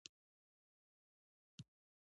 رسۍ له زاړه وخت برکته لري.